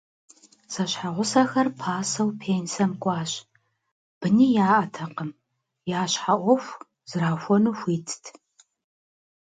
Зэщхьэгъусэхэр пасэу пенсэм кӏуащ, быни яӏэтэкъыми, я щхьэ ӏуэху зэрахуэну хуитт.